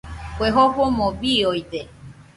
Kue jofomo biooide.